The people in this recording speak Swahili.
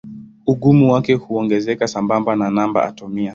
Ugumu wake huongezeka sambamba na namba atomia.